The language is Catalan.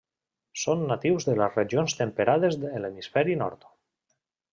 Són natius de les regions temperades de l'hemisferi nord.